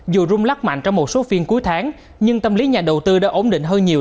dù rum lắc mạnh trong một số phiên cuối tháng nhưng tâm lý nhà đầu tư đã ổn định hơn nhiều